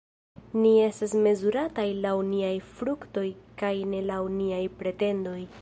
Ni estas mezurataj laŭ niaj fruktoj kaj ne laŭ niaj pretendoj!